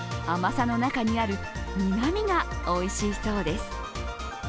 甘さの中にある苦みがおいしいそうです。